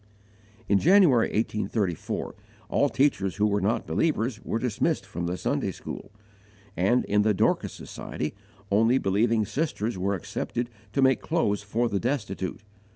In January, 1834, all teachers who were not believers were dismissed from the Sunday school; and, in the Dorcas Society, only believing sisters were accepted to make clothes for the destitute.